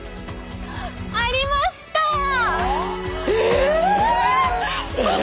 ありました！ああ！？